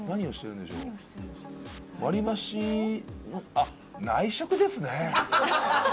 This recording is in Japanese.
あっ内職ですね。